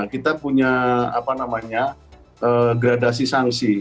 kita punya gradasi sanksi